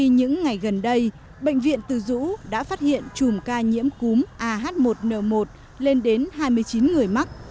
những ngày gần đây bệnh viện từ dũ đã phát hiện chùm ca nhiễm cúm ah một n một lên đến hai mươi chín người mắc